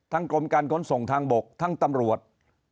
กรมการขนส่งทางบกทั้งตำรวจ